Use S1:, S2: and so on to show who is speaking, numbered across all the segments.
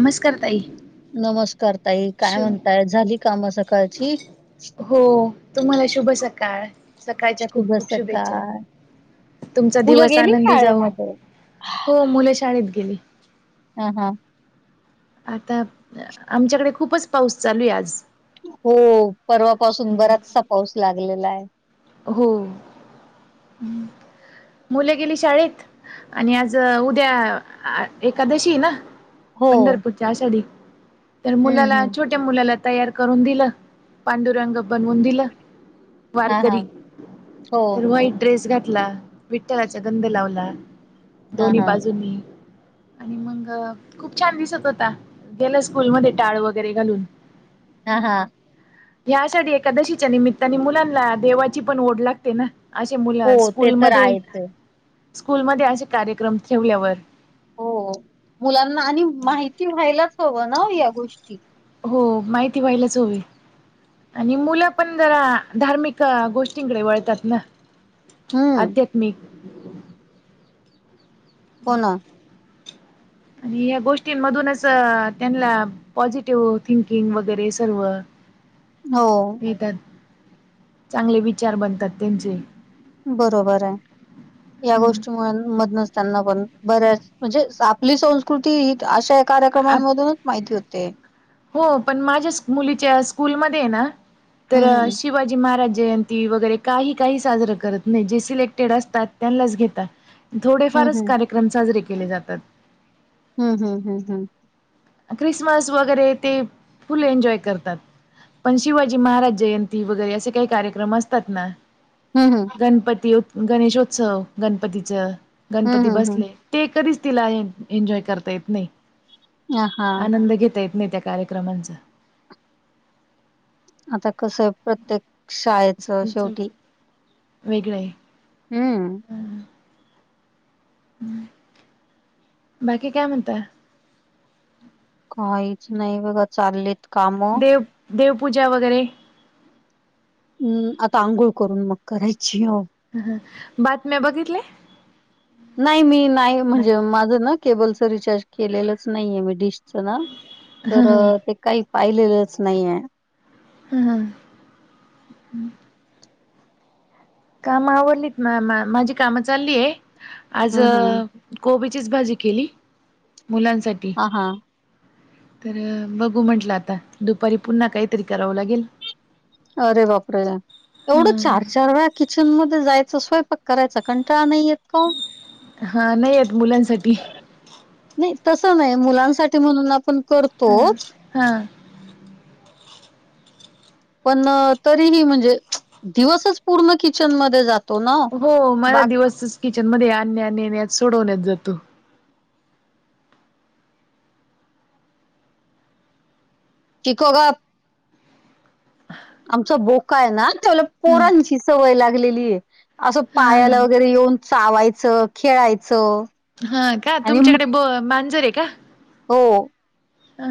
S1: नमस्कार ताई!
S2: नमस्कार ताई काय
S1: शु
S2: म्हणताय, झाली काम सकाळची?
S1: हो तुम्हाला शुभ सकाळ, सकाळच्या
S2: शुभ
S1: खूप खूप शुभेच्छा.
S2: सकाळ.
S1: तुमचा
S2: मुलं
S1: दिवस
S2: गेली
S1: आनंदी जाओ
S2: शाळेमध्ये?
S1: हो मूल शाळेत गेली.
S2: हा हा
S1: आता आमच्याकडे खूपच पाऊस चालू आहे आज
S2: हो, परवापासून बराचसा पाऊस लागलेला आहे.
S1: हो. म मुलं गेली शाळेत. आणि आज उद्या एकादशी ना.
S2: हो.
S1: पंढरपूरची आषाढी. तर
S2: हं,
S1: मुलाला
S2: हं.
S1: छोट्या या मुलाला तयार करून दिलं. पांडुरंग बनवून दिलं.
S2: हां,
S1: घरी.
S2: हां. हो.
S1: तर व्हाईट ड्रेस घातला, विठ्ठलाचा गंध लावला
S2: हां,
S1: दोन्ही
S2: हां.
S1: बाजूंनी. आणि मग खूप छान दिसत होता. गेलाय स्कूलमध्ये टाळ वगैरे घालून.
S2: हा हा.
S1: ह्या आषाढी एकादशीच्या निमित्ताने मुलांना देवाची पण ओढ लागते ना. असे मुलं
S2: हो, ते तर
S1: स्कूलमध्ये
S2: आहेच आहे.
S1: स्कूलमध्ये असे कार्यक्रम ठेवल्यावर.
S2: हो. मुलांना आणि माहिती व्हायलाच हवं ना या गोष्टी.
S1: हो माहिती व्हायलाच हवी. आणि मुलं पण जरा धार्मिक गोष्टींकडे वळतात ना.
S2: हं.
S1: आध्यात्मिक.
S2: हो ना.
S1: आणि या गोष्टींमधूनच त्यांना पॉझिटिव्ह थिंकिंग वगैरे सर्व
S2: हो.
S1: येतात. चांगले विचार बनतात त्यांचे.
S2: बरोबर आहे. या गोष्टीमुळे मधनच त्यांना पण बऱ्याच म्हणजे आपली संस्कृती ही अशा कार्यक्रमांमधूनच माहिती होते.
S1: हो पण माझ्या मुलीच्या स्कूलमध्ये ना तर
S2: हम्म
S1: शी वाजी महाराज जयंती वगैरे काही काही साजरं करत नाही. जे सिलेक्टेड असतात त्यांनाच घेतात. थोडेफारच
S2: हम्म
S1: कार्यक्रम साजरे केले जातात.
S2: हं हं हं हं.
S1: क्रिसमस वगैरे ते फुल एन्जॉय करतात. पण शिवाजी महाराज जयंती वगैरे असे काही कार्यक्रम असतात ना,
S2: हं हं,
S1: गणपती उत् गणेशोत्सव गणपतीच.
S2: हम्म
S1: गणपती
S2: हम्म
S1: बसले ते कधीच तिला हे एन्जॉय करता येत नाही.
S2: हम्म हा
S1: आनंद घेता येत नाही त्या कार्यक्रमांचा.
S2: आता कसंये प्रत्येक शाळेचं
S1: स्कूलच वेगळं आहे.
S2: हं.
S1: हं. बाकी काय म्हणताय?
S2: काच नाही बघ चालले.
S1: देव देवपूजा वगैरे?
S2: अं, आता आंघोळ करून मग करायची हो.
S1: ह बातम्या बघितल्या?
S2: नाही मी नाही म्हणजे माझं ना केबलच रिचार्ज केलेलाच नाहीये मी डिशच ना.
S1: हा
S2: तर
S1: हा
S2: ते काही पाहिलेलंच नाहीये.
S1: हं हं. काम आवरलीत ना माझी कामं चाललीय आज
S2: हम्म हम्म
S1: - कोबीचीचं भाजी केली मुलांसाठी.
S2: हा हा
S1: तर बघू म्हंटलं आता दुपारी पुन्हा काहीतरी करावं लागेल.
S2: अरे बापरे! एवढं चार
S1: हा
S2: चार वेळा किचन मध्ये जायचं स्वयंपाक करायच कंटाळा नाहीेत येतं?
S1: हा नाही येतं मुली -
S2: नाही तसं नाही मुलांसाठी म्हणून आपण
S1: हा
S2: करतोचं.
S1: हा.
S2: पण तरीही म्हणजे दिवसच पूर्ण किचन मध्ये जात -
S1: हो मला दिवसच किचनमध्ये आणण्या नेण्या सोडवण्यात जातो.
S2: कि को गप. आमचा बोका आहे ना त्याला
S1: हा
S2: पोरांची सवय लागलेली हे. असं
S1: हा
S2: पायाला वगैरे येऊन चावायचं खेळायचं.
S1: हा का
S2: आणि म
S1: तुमच्याकडे ब - मांजर आहे का?
S2: हो.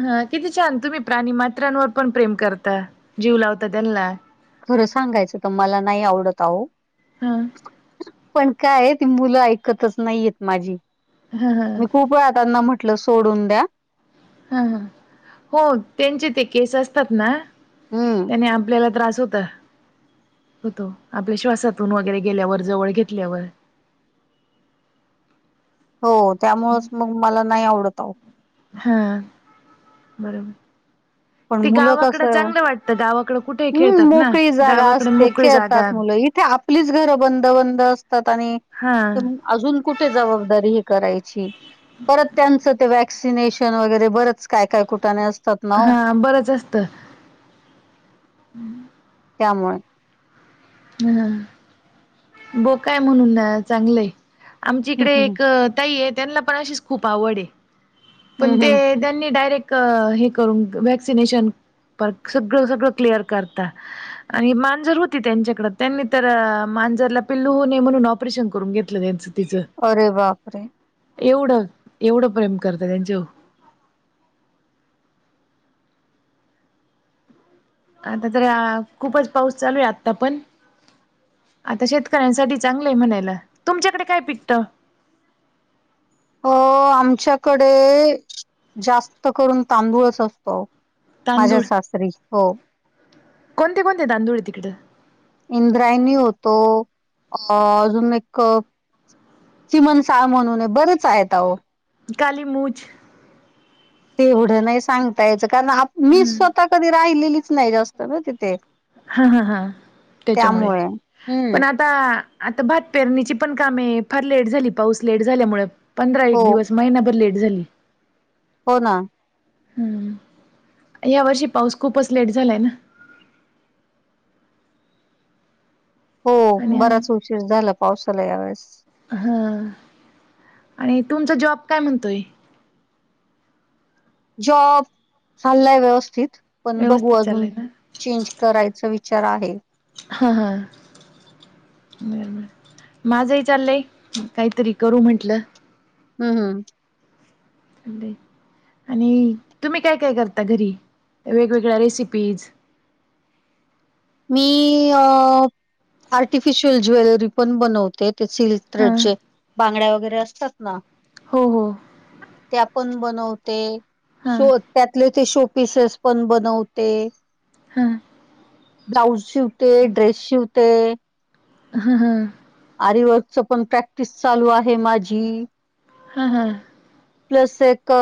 S1: ह किती छान तुम्ही प्राणी मात्रांवर पण प्रेम करता जीव लावता त्यांना.
S2: खरं सांगायचं तर मला नाही आवडत आहो.
S1: हा.
S2: पण काय ती मुलं ऐकतचं नाहीयेत माझी.
S1: ह ह
S2: मी खूप वेळताना म्हटलं सोडून द्या.
S1: हा ह हो त्यांचे ते केस असतात ना-
S2: हम्म,
S1: त्याने आपल्याला त्रास होता. होतो आपल्या श्वासातून वगैरे गेल्यावर जवळ घेतल्यावर-
S2: हो त्यामुळेच मग मला नाही आवडत ओ.
S1: हा बरोबर.
S2: पण
S1: ते
S2: मुलं
S1: गावाकडं
S2: कसं
S1: चांगलं वाटतं गावाकडे कुठेही
S2: हं,
S1: खेळतात ना
S2: मोकळी
S1: गावाकडे मोकळी जागा.
S2: ते आपलीच घरं बंद बंद असतात आणि -
S1: हां.
S2: अजून कुठे जबाबदारी हे करायची परत त्यांच ते व्य - वॅक्सिनेशन वगैरे बरेच काय - काय कुटाने असतात. ना ओ
S1: हा बरंच असतं. हम्म,
S2: त्यामुळे.
S1: हम बोका काय म्हणून चांगलंयं. आमची
S2: हं,
S1: इकडे
S2: हं, हं.
S1: एक ताई आहे त्यांना पण अशीच खूप आवड हे. पण
S2: हं,
S1: ते
S2: हं.
S1: त्यांनी डायरेक्ट - हे करून वॅक्सिनेशन सगळं - सगळं क्लिअर करता. आणि मांजर होती त्यांच्या. त्यांनी तर मांजरला पिल्लू होऊ नये म्हणून ऑपरेशन करून घेतलं त्यांचं तिचं.
S2: अरे बापरे!
S1: एवढं - एवढं प्रेम करता त्यांच्या वर. आता तर खूपच पाऊस चालू आहे आता पण - आता शेतकऱ्यांसाठी चांगलं आहे म्हणायला तुमच्याकडे काय पिकतं?
S2: अ आमच्याकडे जास्त करून तांदूळच असतो. माझ्या
S1: तांदूळ?
S2: सासरी हो.
S1: कोणते कोणते तांदूळ आहे तिकडं?
S2: इंद्रायणी होतो अ अजून एक चिमन साळ म्हणूनय बरेच आहेत अहो.
S1: काली मुछ.
S2: तेवढं नाही सांगता यायचं कारण मी स्वतः कधी राहिलेलीच नाही जास्त ना तिथे.
S1: हा हा हा त्याच्यामुळे
S2: त्यामुळे हम्म
S1: पण आ आ आता भात पेरणीची पण कामे फार लेट झाली पाऊस लेट झाल्यामुळे. पंधरा
S2: हो
S1: एक दिवस महिनाभर लेट झाली.
S2: हो ना.
S1: या वर्षी पाऊस खूपच लेट झालाय ना.
S2: हो
S1: आणि
S2: बराच उशीर झाला पावसाला यावेेळेस.
S1: हा आणि तुमचा जॉब काय म्हणतोय?
S2: जॉब चाललाय व्यवस्थित पण बघू
S1: व्यवस्थित
S2: अजून
S1: चाललंय ना
S2: चेंज करायचा विचार आहे.
S1: हा हा. ब माझंही चाललंय. काहीतरी करू म्हंटलं.
S2: हम् हम्म.
S1: आणि तुम्ही काय काय करता घरी? वेगवेगळ्या रेसिपीज
S2: मी आर्टिफिशिल ज्वेलरी पण बनवते ते सिल्क
S1: हा
S2: चे बांगड्या वगैरे असतात ना
S1: हो हो.
S2: ते पण बनवते
S1: हां
S2: शोध त्यातले ते शो पीसेस पण बनवते.
S1: हा.
S2: ब्लाऊज शिवते, ड्रेस शिवते.
S1: हा हम.
S2: आरी वर्कच पण प्रॅक्टिस चालू आहे माझी.
S1: हम हम.
S2: प्लस एक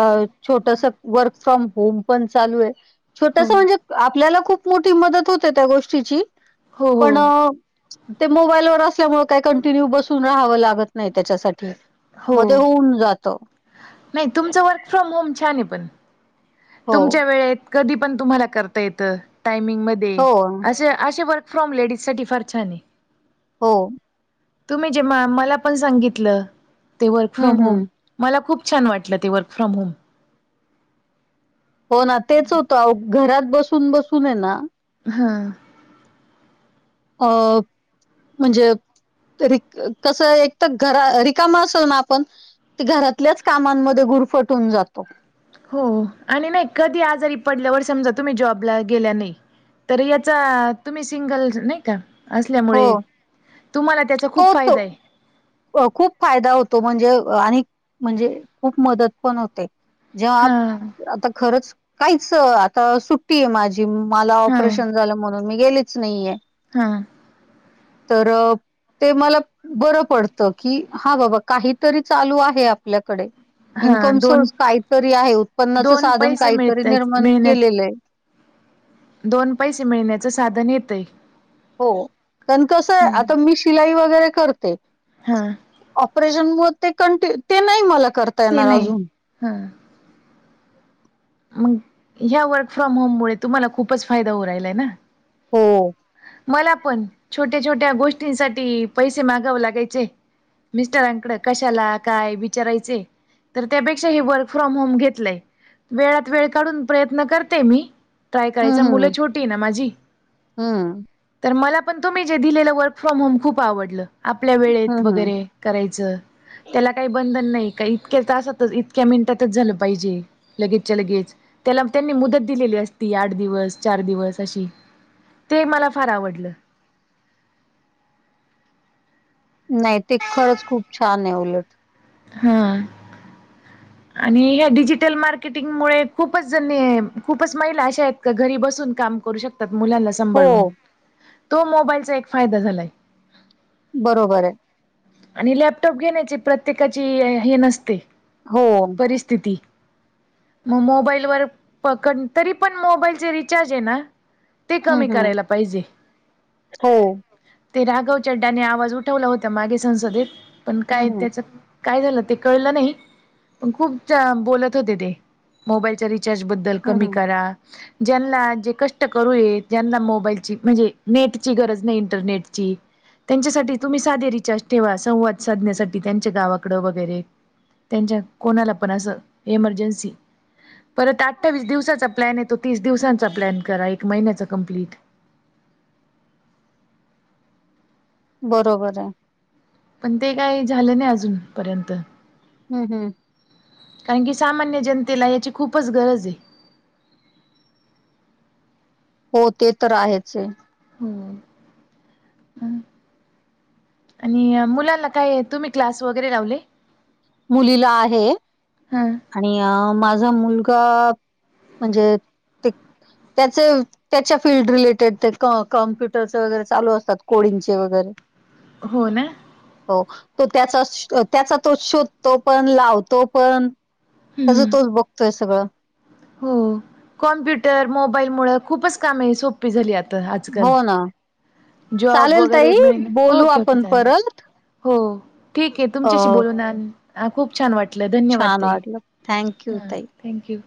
S2: अ छोटस वर्क फ्रॉम होम पण चालू आहे. छोटस
S1: हो
S2: म्हणजे आपल्याला खूप मोठी मदत होते त्या गोष्टीची
S1: हो
S2: पण
S1: हो
S2: ते मोबाईल वर असल्यामुळे काय कंटिन्यू बसून राहावं लागत नाही त्याच्यासाठी.
S1: हो
S2: मग ते होऊन जात.
S1: नाही तुमच वर्क फ्रॉम होम छान आहे पण.
S2: हो
S1: तुमच्या वेळेत कधी पण तुम्हाला करता येत टायमिंग मध्ये
S2: हो
S1: अस असे व फ्रॉम लेडीजसाठी फार छान आहे.
S2: हो.
S1: तू म्हणजे मला पण सांगितलं ते work from
S2: hmm
S1: home
S2: hmm.
S1: मला खूप छान वाटलं ते वर्क फ्रॉम होम.
S2: हो ना तेच होतं घरात बसून बसून ये ना
S1: हा.
S2: अ म्हणजे कसं एक तर घरा रिकामा असल ना आपण ते घरातल्याच कामांमध्ये गुरफटून जातो.
S1: हो, आणि नाही कधी आजारी पडल्यावर समजा तुम्ही जॉबला गेल्या नाही. तर याचा तुम्ही सिंगल नाही का. असल्यामुळे
S2: हो.
S1: तुम्हाला त्याचा खूप
S2: तो तो
S1: फायदा हाय.
S2: अ, खूप फायदा होतो म्हणजे आणि म्हणजे खूप मदत पण होते. जेव्हा आप
S1: हा
S2: आता खरच काहीच आता सुट्टी आहे माझी. मला
S1: हा
S2: ऑपरेशन झालं म्हणून मी गेलीच नाहीये.
S1: हम्म
S2: तर ते मला बरं पडत. कि, हा बाबा काहीतरी चालू आहे आपल्याकडे.
S1: हा
S2: इन्कम
S1: दोन
S2: सोर्स काहीतरी आहे, उत्पन्नाच
S1: दोन
S2: साधन
S1: पैसे
S2: काहीतरी
S1: मिळताय
S2: निर्माण
S1: मिळण्यात
S2: केलेलं आहे.
S1: दोन पैसे मिळण्याचं साधन येतंय.
S2: हो, पण कसं आता मी शिलाई वगैरे करते.
S1: हा.
S2: ऑपरेशनमुळ ते कंटिन्य, ते नाही मला करता येणार अजून.
S1: हां. मंग ह्या वर्क फ्रॉम होम मुळे तुम्हाला खूपच फायदा होऊ राहिलाय ना.
S2: हो.
S1: मला पण छोट्या -छोट्या गोष्टींसाठी पैसे मागाव लागायचे. मिस्टरांकड कशाला काय विचारायचे. तर त्यापेक्षा हे वर्क फ्रॉम होम घेतलंय. वेळात, वेळ काढून प्रयत्न करते मी. ट्राय
S2: हं,
S1: करायचा, मुलं
S2: हं.
S1: छोटी ना माझी.
S2: हं.
S1: तर मला पण तुम्ही जे दिलेलं वर्क फ्रॉम होम खूप आवडलं, आपल्या वेळेत
S2: हं, हं.
S1: वगैरे. करायचं, त्याला काही बंधन नाही काही इतक्या तासातच इतक्या मिनिटातच झालं पाहिजे. लगेचच्या लगेच, त्याला त्यांनी मुदत दिलेली असती आठ दिवस चार दिवस अशी. ते मला फार आवडलं.
S2: नाही ते खरंच खूप छान आहे उलट.
S1: हा. आणि ह्या डिजिटल मार्केटिंग मुळे खूपच जण, खूपच महिला अशा आहेत. घरी बसून काम करू शकतात मुलांना सांभाळून,
S2: हो,
S1: तो मोबाईलचा एक फायदा झालाय.
S2: बरोबर हाय.
S1: आणि लॅपटॉप घेण्याची प्रत्येकाची हे नसते.
S2: हो.
S1: परिस्थिती. मग मोबाईल वर पकड, तरी पण मोबाईलचे रिचार्ज हे ना. ते
S2: हं,
S1: कमी
S2: हं.
S1: करायला पाहिजे.
S2: हो.
S1: ते राघव चड्डाने आवाज उठवला होता मागे संसदेत, पण
S2: हं,
S1: काय
S2: हं.
S1: त्याच काय झालं ते कळलं नाही, पण खूप बोलत होते ते मोबाईलच्या रिचार्ज बद्द दल
S2: हं,
S1: कमी
S2: हं.
S1: करा ज्यांना जे कष्ट करूय, ज्यांना मोबाईलची म्हणजे नेटची गरज नाही इंटरनेटची त्यांच्यासाठी तुम्ही साधे रिचार्ज ठेवा, संवाद साधण्यासाठी त्यांच्या गावाकड वगैरे. त्यांच्या, कोणाला पण असं एमर्जन्सी. परत अठ्ठावीस दिवसाचा प्लॅन आहे तो तीस दिवसांचा प्लॅन करा एक महिन्याचा कम्प्लीट.
S2: बरोबर हाय.
S1: पण ते काय झालं नाही अजून, पर्यंत.
S2: हम्मं हम्मं
S1: कारणं की सामांन्य जनतेला यांची खूपचं गरजं आहे.
S2: हो ते तरं आहेचं हे
S1: हम्मं आं आणि मुलांना कायं तुम्हीं क्लांस वगैरें लावले
S2: मुलीला आहे
S1: हा
S2: आणि माझां मुलंगा म्हणजे ते त्यांचे त्यांच्या फील्ड रिलेटेड ते कॉम्प्युटरंच वगैरें चालूं असतांत कोडिंगचे वगैरें.
S1: होनां
S2: हो तो त्यांचा त्यांचा तो शोधतो पणं लावतो पणं त्यांचं तोचं बघतोय सगळं.
S1: हो कॉम्प्युटर मोबाईल मुळे खूपचं कामं आहे सोपी सोपी झाली आंता आंजकांल.
S2: हो ना.
S1: जॉब
S2: चालेल
S1: वगैरें
S2: ताई,
S1: मि
S2: बोलू
S1: ओके ओके
S2: आपण
S1: चालेल
S2: परत.
S1: हो ठीक हे
S2: अ,
S1: तुमच्यांशी बोलूंन आं खूंप छान वाटलं धन्यवांद
S2: छान
S1: ताई
S2: वाटलं. थँक यू
S1: हां
S2: ताई.
S1: थँक्यू